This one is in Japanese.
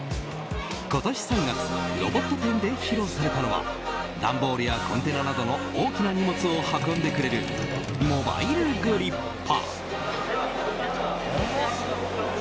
今年３月、ロボット展で披露されたのは段ボールやコンテナなどの大きな荷物を運んでくれる、モバイルグリッパ。